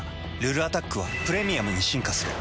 「ルルアタック」は「プレミアム」に進化する。